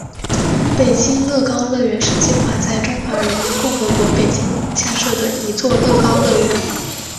北京乐高乐园是计划在中华人民共和国北京建设的一座乐高乐园。